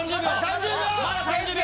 まだ３０秒！